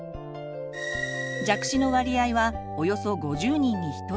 弱視の割合はおよそ５０人に１人。